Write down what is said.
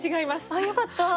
ああよかった。